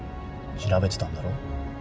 調べてたんだろ。